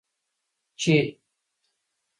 چې: